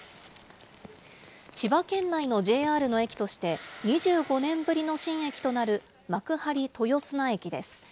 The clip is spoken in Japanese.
千葉県内のＪＲの駅として、２５年ぶりの新駅となる幕張豊砂駅です。